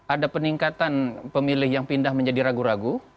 ada peningkatan pemilih yang pindah menjadi ragu ragu